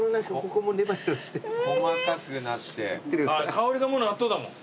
香りがもう納豆だもん。